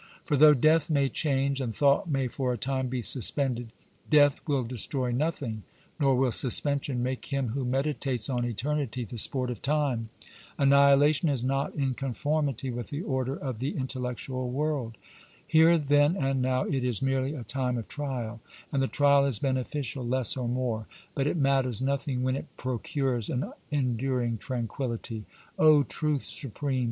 3 For, though death may change and thought may for a time be suspended, death will destroy nothing, nor will suspension make him who meditates on eternity the sport of time. "Annihilation is not in conformity with the order of the intellectual world." ^ Here then and now it is merely a time of trial, and the trial is beneficial less or more, but it matters nothing when it procures an enduring tranquillity." ^" Oh truth supreme